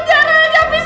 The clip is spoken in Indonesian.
kau ini yang bustah